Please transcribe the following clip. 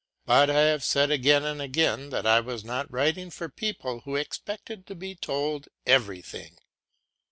But I have said again and again that I was not writing for people who expected to be told everything.